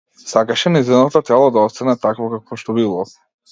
Сакаше нејзиното тело да остане такво какво што било.